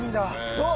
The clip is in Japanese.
そう！